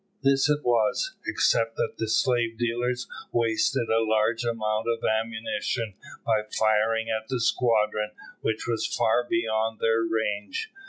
This it was, except that the slave dealers wasted a large amount of ammunition by firing at the squadron, which was far beyond their range.